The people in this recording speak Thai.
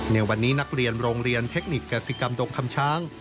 ในวันนี้นักเรียนโรงเรียนเทคนิคกษิกรรมดงคำช้าง